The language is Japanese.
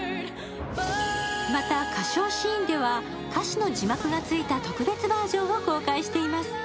また歌唱シーンでは歌詞の字幕が付いた特別バージョンを公開しています。